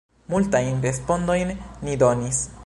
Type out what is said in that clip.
Multajn respondojn ni donis.